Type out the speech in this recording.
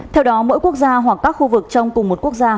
theo đó mỗi quốc gia hoặc các khu vực trong cùng một quốc gia